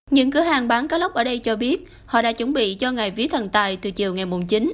những cửa hàng bán cá lóc ở đây cho biết họ đã chuẩn bị cho ngày vía thần tài từ chiều ngày chín